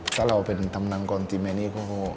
ถ้าเราเป็นทำนังคนทีมอันนี้